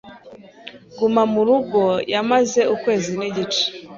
Guma mu Rugo yamaze ukwezi n’igice,